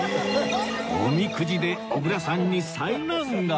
おみくじで小倉さんに災難が